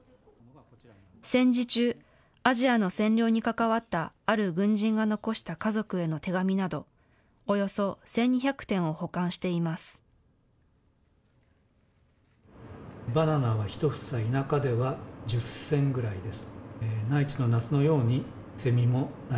戦時中、アジアの占領に関わったある軍人が残した家族への手紙など、およそ１２００点を保管しています。